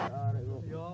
ya ini berbeda